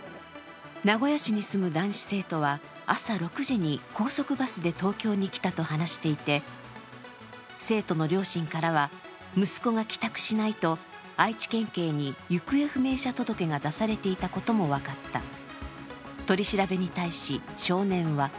名古屋市に住む男子生徒は朝６時に高速バスで東京に来たと話していて、生徒の両親からは息子が帰宅しないと愛知県警に行方不明者届が出されていたことが分かった。